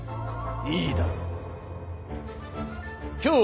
いいだろう。